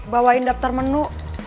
bawain daftar menu